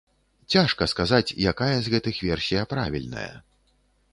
Цяжка сказаць, якая з гэтых версія правільная.